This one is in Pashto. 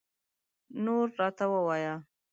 نور راته ووایه